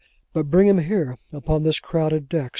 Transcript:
But bring him here, upon this crowded deck.